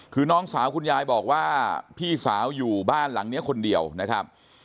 คือน้องสาวคุณยายบอกว่าพี่สาวอยู่บ้านหลังนี้คนเดียวนะครับ